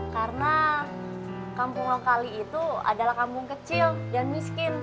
karena kampung ngok kali itu adalah kampung kecil dan miskin